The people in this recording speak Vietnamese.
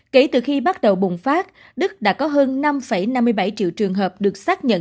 kể từ khi bắt đầu bùng phát đức đã có hơn năm năm mươi bảy triệu trường hợp được xác nhận